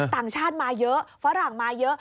ต่างชาติมาเยอะฝรั่งมาเยอะ